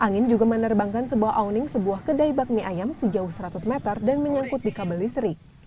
angin juga menerbangkan sebuah awning sebuah kedai bakmi ayam sejauh seratus meter dan menyangkut di kabel listrik